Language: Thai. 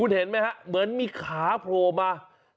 คุณเห็นไหมครับเหมือนมีขาโผล่มา